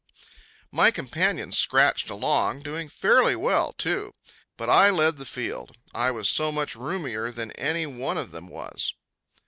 My companions scratched along, doing fairly well, too; but I led the field I was so much roomier than any one of them was.